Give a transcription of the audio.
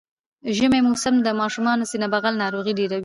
ژمی موسم کی د ماشومانو سینه بغل ناروغی ډیره وی